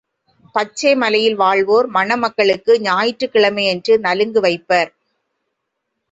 பச்சை மலையில் வாழ்வோர் மணமக்களுக்கு ஞாயிற்றுக்கிழமை யன்று நலுங்கு வைப்பர்.